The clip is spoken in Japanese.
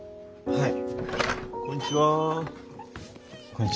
はい。